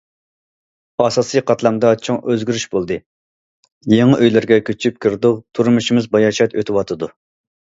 ئاساسىي قاتلامدا چوڭ ئۆزگىرىش بولدى، يېڭى ئۆيلەرگە كۆچۈپ كىردۇق، تۇرمۇشىمىز باياشات ئۆتۈۋاتىدۇ.